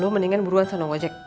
mendingan beruan sana ojek